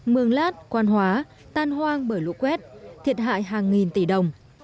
mường lát quan hóa tan hoang bởi lũ quét thiệt hại hàng nghìn tỷ đồng